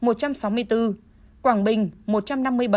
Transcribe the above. quảng bình một trăm năm mươi bảy